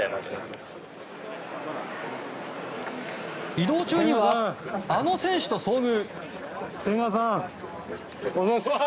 移動中にはあの選手と遭遇。